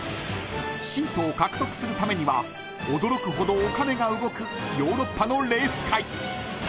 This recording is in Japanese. ［シートを獲得するためには驚くほどお金が動くヨーロッパのレース界］